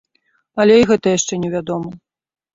Але і гэта яшчэ невядома.